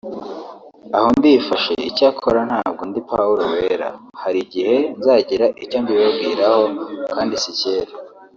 “Aho ndifashe icyakora ntabwo ndi Pawulo Wera hari igihe nzagira icyo mbibabwiraho kandi si kera